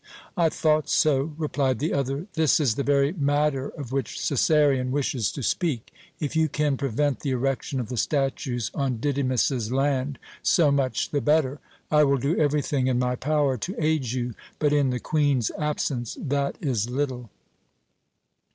"I thought so," replied the other. "This is the very matter of which Cæsarion wishes to speak. If you can prevent the erection of the statues on Didymus's land, so much the better. I will do everything in my power to aid you, but in the Queen's absence that is little."